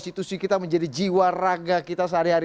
institusi kita menjadi jiwa raga kita sehari hari